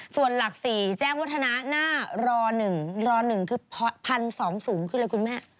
ส่วนหลัก๔แจ้งวัฒนะหน้าร๑ร๑คือพันสองสูงคืออะไรคุณแม่